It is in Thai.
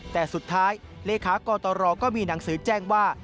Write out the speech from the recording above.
แต่สุดท้ายเลขากตรก็มีหนังสือแจ้งว่า